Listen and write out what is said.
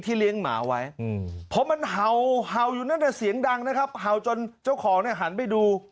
เลี้ยงหมาไว้เพราะมันเห่าอยู่นั่นแต่เสียงดังนะครับเห่าจนเจ้าของเนี่ยหันไปดู